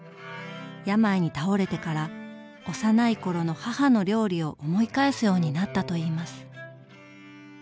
病に倒れてから幼い頃の母の料理を思い返すようになったといいます。